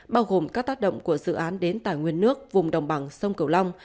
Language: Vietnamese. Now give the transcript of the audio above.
bao gồm các tác động của dự án đến tài nguyên nước vùng đồng bằng sông cửu long